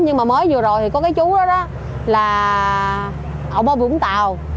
nhưng mà mới vừa rồi thì có cái chú đó là ông ở vũng tàu